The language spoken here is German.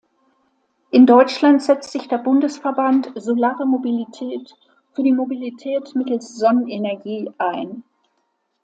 In Deutschland setzt sich der Bundesverband Solare Mobilität für die Mobilität mittels Sonnenenergie ein.